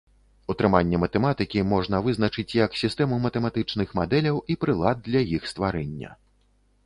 Утрыманне матэматыкі можна вызначыць як сістэму матэматычных мадэляў і прылад для іх стварэння.